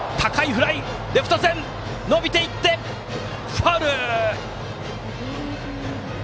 ファウル！